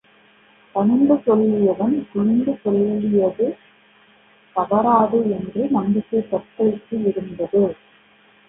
கணித்துச் சொல்லியவன் துணிந்து சொல்லியது தவறாது என்ற நம்பிக்கை தத்தைக்கு இருந்தது.